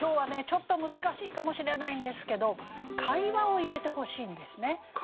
ちょっと難しいかもしれないんですけど会話を入れてほしいんですね。